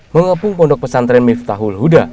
mengepung pondok pesantren miftahul huda